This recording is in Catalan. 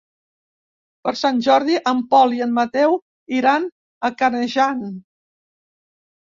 Per Sant Jordi en Pol i en Mateu iran a Canejan.